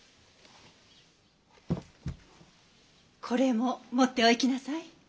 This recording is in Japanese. これも持ってお行きなさい。